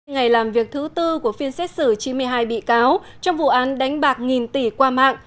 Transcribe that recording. ngày làm việc thứ tư của phiên xét xử chín mươi hai bị cáo trong vụ án đánh bạc nghìn tỷ qua mạng